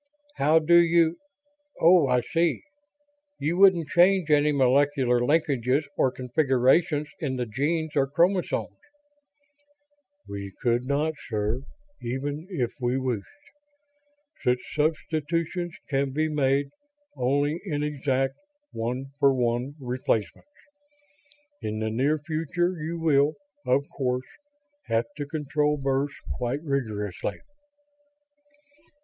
"How do you oh, I see. You wouldn't change any molecular linkages or configurations in the genes or chromosomes." "We could not, sir, even if we wished. Such substitutions can be made only in exact one for one replacements. In the near future you will, of course, have to control births quite rigorously."